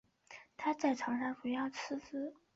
他在场上主要司职防守型中场。